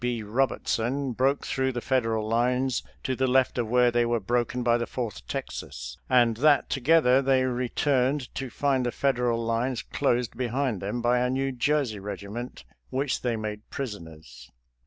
B. Eobertson, broke through the Federal lines, to the left of where they were broken by the Fourth Texas, and that together they re turned to find the Federal lines closed behind them by a New Jersey regiment, which they made prisoners.